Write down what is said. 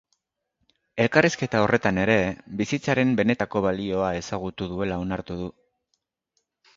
Elkarrizketa horretan ere bizitzaren benetako balioa ezagutu duela onartu du.